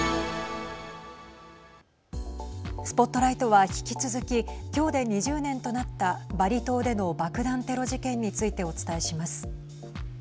ＳＰＯＴＬＩＧＨＴは引き続き今日で２０年となったバリ島での爆弾テロ事件についてお伝えします。